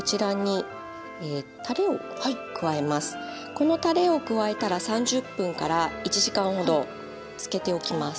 このたれを加えたら３０分１時間ほど漬けておきます。